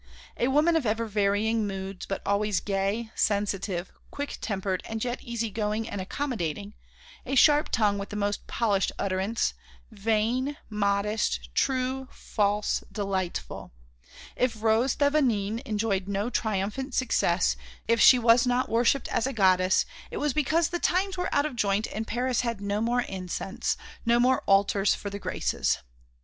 A woman of ever varying moods, but always gay, sensitive, quick tempered and yet easy going and accommodating, a sharp tongue with the most polished utterance, vain, modest, true, false, delightful; if Rose Thévenin enjoyed no triumphant success, if she was not worshipped as a goddess, it was because the times were out of joint and Paris had no more incense, no more altars for the Graces.